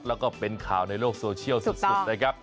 แล้วก็เป็นข่าวในโลกโซเชียลสุดนะครับ